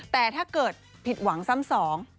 แต่ถ้าเกิดผิดหวังซ้ำสอง